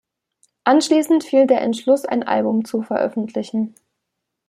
Anschließend fiel der Entschluss, ein Album zu veröffentlichen.